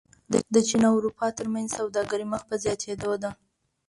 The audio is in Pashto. د چین او اروپا ترمنځ سوداګري مخ په زیاتېدو ده.